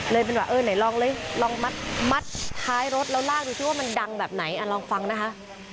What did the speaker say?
เลยเป็นว่าเออไหนลองเลยลองมัดท้ายรถแล้วลากดูสิว่ามันดังแบบไหนลองฟังนะคะ